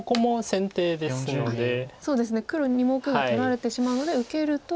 そうですね黒２目が取られてしまうので受けると。